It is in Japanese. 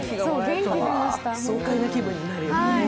爽快な気分になるよね。